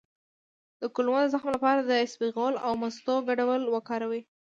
د کولمو د زخم لپاره د اسپغول او مستو ګډول وکاروئ